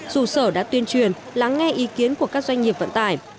dù sở đã tuyên truyền lắng nghe ý kiến của các doanh nghiệp vận tải